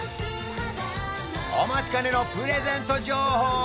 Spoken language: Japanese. お待ちかねのプレゼント情報